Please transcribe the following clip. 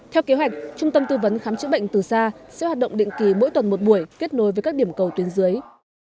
theo kế hoạch trung tâm tư vấn khám chữa bệnh từ xa sẽ hoạt động định kỳ mỗi tuần một buổi kết nối với các điểm cầu tuyến dưới